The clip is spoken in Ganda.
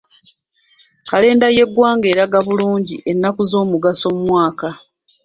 Kalenda y'eggwanga eraga bulungi ennaku ez'omugaso mu mwaka.